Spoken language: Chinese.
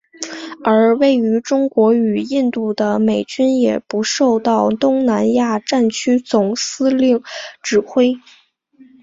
而位于中国与印度的美军也不受到东南亚战区总司令指挥。